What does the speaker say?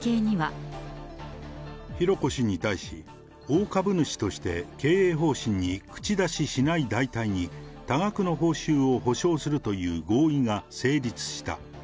浩子氏に対し、大株主として経営方針に口出ししない代替に、多額の報酬を保証するという合意が成立した。